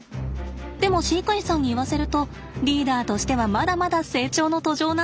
でも飼育員さんに言わせるとリーダーとしてはまだまだ成長の途上なんだとか。